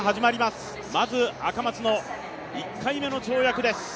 まず赤松の１回目の跳躍です